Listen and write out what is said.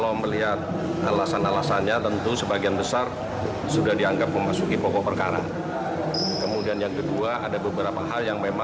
untuk sementara kita menerima